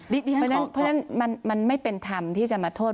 เพราะฉะนั้นมันไม่เป็นธรรมที่จะมาโทษ